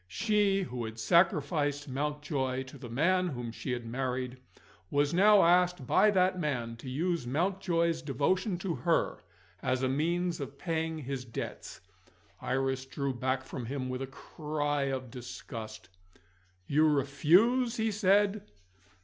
She, who had sacrificed Mountjoy to the man whom she had married, was now asked by that man to use Mountjoy's devotion to her, as a means of paying his debts! Iris drew back from him with a cry of disgust. "You refuse?" he said.